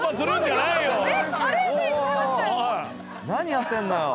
何やってんだよ。